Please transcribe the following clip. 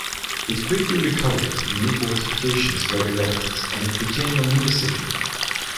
It quickly recovered, new fortifications were erected, and it became a "municipium".